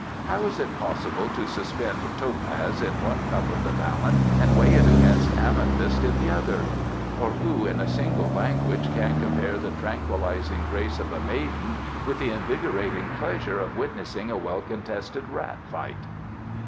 "How is it possible to suspend topaz in one cup of the balance and weigh it against amethyst in the other; or who in a single language can compare the tranquillizing grace of a maiden with the invigorating pleasure of witnessing a well contested rat fight?"